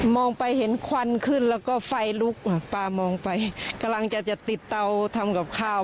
ไปเห็นควันขึ้นแล้วก็ไฟลุกปลามองไปกำลังจะจะติดเตาทำกับข้าว